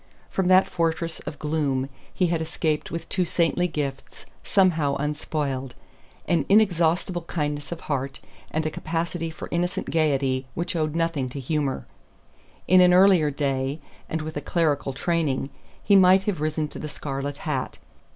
From that fortress of gloom he had escaped with two saintly gifts somehow unspoiled: an inexhaustible kindness of heart and a capacity for innocent gaiety which owed nothing to humor. In an earlier day and with a clerical training he might have risen to the scarlet hat.